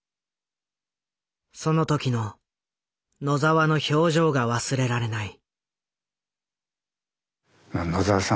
その時の野澤の表情が忘れられない。